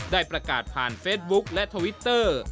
ได้ประกาศผ่านเฟซบุ๊คและทวิตเตอร์